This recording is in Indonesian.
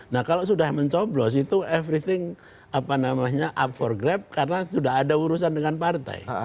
nah kalau sudah mencoblos itu everything apa namanya up for grab karena sudah ada urusan dengan partai